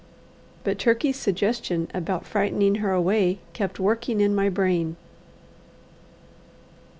But Turkey's suggestion about frightening her away kept working in my brain.